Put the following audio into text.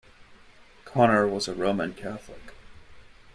Connor was a Roman Catholic.